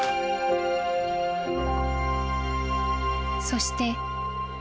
［そして］